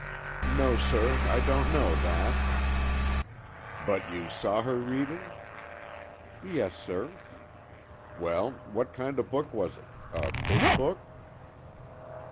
"No, sir, I don't know that." "But you saw her reading?" "Yes, sir." "Well, what kind of book was it? A big book?"